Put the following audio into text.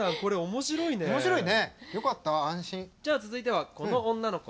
じゃあ続いてはこの女の子。